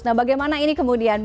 nah bagaimana ini kemudian